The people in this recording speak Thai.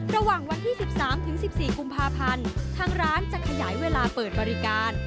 ระหว่างวันที่๑๓๑๔กุมภาพันธ์ทางร้านจะขยายเวลาเปิดบริการ